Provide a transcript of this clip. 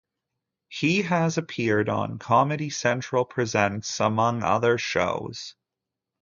He has appeared on "Comedy Central Presents" among other shows.